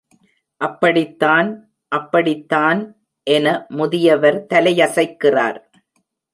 "அப்படித் தான், அப்படித் தான்" என முதியவர் தலையசைக்கிறார்.